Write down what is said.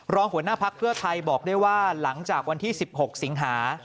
หัวหน้าภักดิ์เพื่อไทยบอกได้ว่าหลังจากวันที่๑๖สิงหา